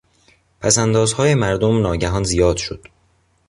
پساندازهای مردم ناگهان زیاد شد.